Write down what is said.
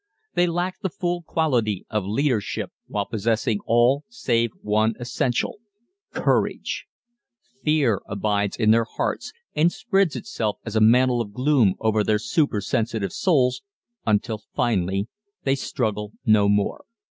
They lack the full quality of leadership while possessing all save one essential courage. Fear abides in their hearts and spreads itself as a mantle of gloom over their super sensitive souls until finally they struggle no more.